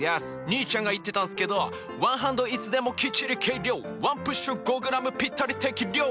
兄ちゃんが言ってたんすけど「ワンハンドいつでもきっちり計量」「ワンプッシュ５ｇぴったり適量！」